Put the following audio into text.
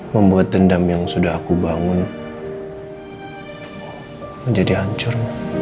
membuat dendam yang sudah aku bangun menjadi hancur